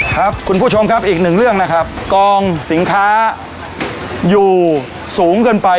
ครับคุณผู้ชมครับอีกหนึ่งเรื่องนะครับกองสินค้าอยู่สูงเกินไป